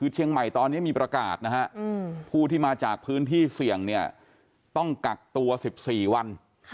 เชียงใหม่ตอนนี้มีประกาศนะฮะผู้ที่มาจากพื้นที่เสี่ยงเนี่ยต้องกักตัว๑๔วัน